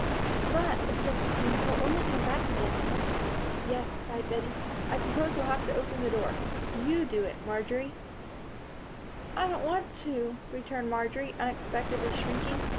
"But," objected Jean, "he'll only come back again." "Yes," sighed Bettie. "I s'pose we will have to open the door. You do it, Marjory." "I don't want to," returned Marjory, unexpectedly shrinking.